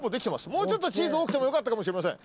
もうちょっとチーズ多くてもよかったかもしれません。